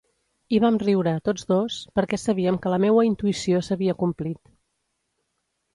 I vam riure, tots dos, perquè sabíem que la meua intuïció s'havia complit.